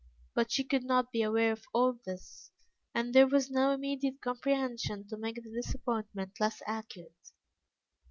But she could not be aware of all this, and there was no immediate comprehension to make the disappointment less acute.